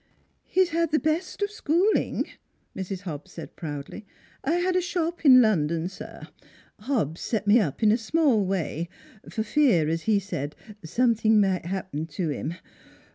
" He's had the best of schooling," Mrs. Hobbs said proudly. " I had a shop in London, sir. Hobbs set me up in a small way, for fear, as he said, something might 'appen to him.